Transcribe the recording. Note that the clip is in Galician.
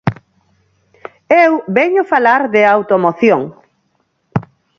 Eu veño falar de automoción.